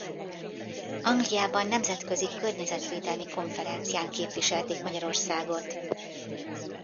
Angliában nemzetközi környezetvédelmi konferencián képviselték Magyarországot.